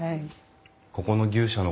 ここの牛舎の。